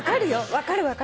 分かる分かる。